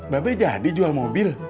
bapak jadi jual mobil